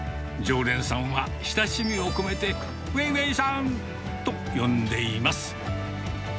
常連さんは、親しみを込めて、ウェイウェイさんと呼んでいます。